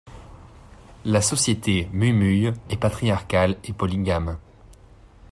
La société Mumuye est patriarcale et polygame.